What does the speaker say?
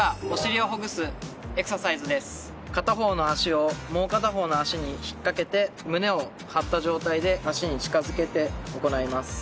片方の脚をもう片方の脚に引っ掛けて胸を張った状態で脚に近づけて行います。